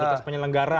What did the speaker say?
apakah penyelenggara itu